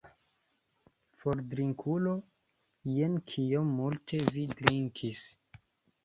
For, drinkulo, jen kiom multe vi drinkis!